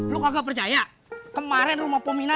lu kagak percaya kemaren rumah pominar